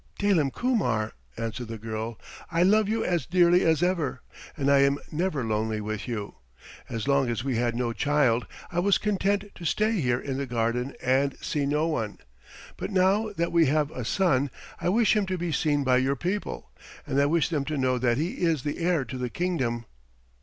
"Dalim Kumar," answered the girl, "I love you as dearly as ever, and I am never lonely with you. As long as we had no child I was content to stay here in the garden and see no one. But now that we have a son I wish him to be seen by your people, and I wish them to know that he is the heir to the kingdom."